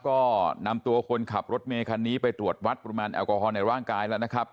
ก็นำตัวคนขับรถเมคันนี้ไปตรวจวัดปริมาณแอลกอฮอลในร่างกายแล้วนะครับ